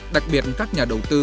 đặc biệt các nhà đầu tư